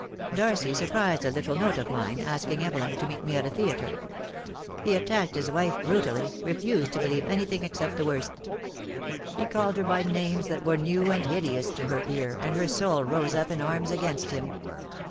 Darcy surprised a little note of mine, asking Evelyn to meet me at a theatre. He attacked his wife brutally, refused to believe anything except the worst. He called her by names that were new and hideous to her ear, and her soul rose up in arms against him.